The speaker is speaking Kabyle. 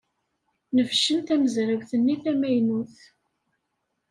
Nebcen tamezrawt-nni tamaynut.